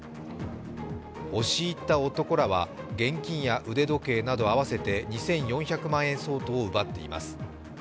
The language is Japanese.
押し入った男らは、現金や腕時計など合わせて２４００万円相当を奪っています。